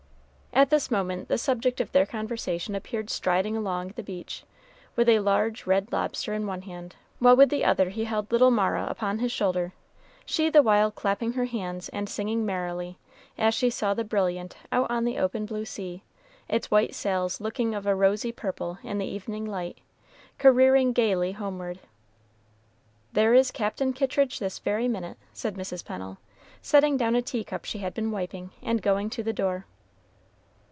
At this moment the subject of their conversation appeared striding along the beach, with a large, red lobster in one hand, while with the other he held little Mara upon his shoulder, she the while clapping her hands and singing merrily, as she saw the Brilliant out on the open blue sea, its white sails looking of a rosy purple in the evening light, careering gayly homeward. "There is Captain Kittridge this very minute," said Mrs. Pennel, setting down a tea cup she had been wiping, and going to the door.